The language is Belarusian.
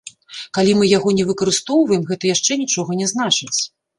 Калі мы яго не выкарыстоўваем, гэта яшчэ нічога не значыць.